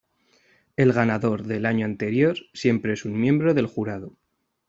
El ganador del año anterior siempre es un miembro del jurado.